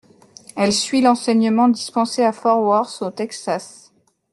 Elle suit l'enseignement dispensé à Fort Worth au Texas.